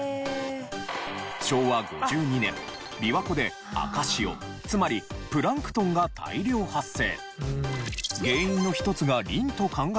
昭和５２年琵琶湖で赤潮つまりプランクトンが大量発生。